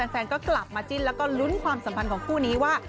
แฟนก็กลับมาจิ้นแล้วก็ลุ้นความสัมพันธ์ของคู่นี้ว่า